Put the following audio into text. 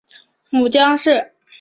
母江氏。